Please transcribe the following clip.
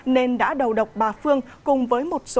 nên đã đầu độc bà phương cùng với một số người